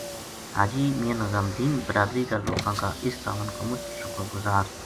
حاجی میاں نظام دین بلادری کا لوکاں کا اس تعاون کو مُچ شکر گُزار